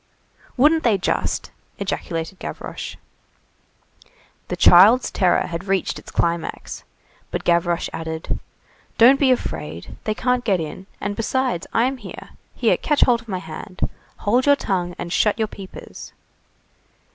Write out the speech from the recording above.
"Wouldn't they just!" ejaculated Gavroche. The child's terror had reached its climax. But Gavroche added:— "Don't be afraid. They can't get in. And besides, I'm here! Here, catch hold of my hand. Hold your tongue and shut your peepers!"